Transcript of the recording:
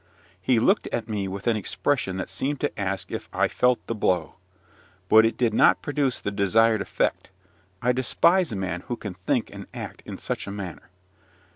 He looked at me with an expression that seemed to ask if I felt the blow. But it did not produce the desired effect: I despise a man who can think and act in such a manner.